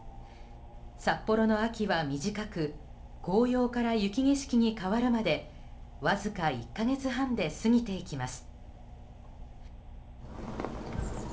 札幌の秋は短く紅葉から雪景色に変わるまでわずか１か月半で過ぎていきます。